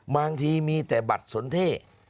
บางทีมีแต่บัตรสนเท่